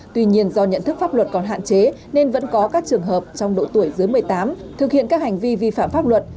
tuy nhiên do nhận thức pháp luật còn hạn chế nên vẫn có các trường hợp trong độ tuổi dưới một mươi tám thực hiện các hành vi vi phạm pháp luật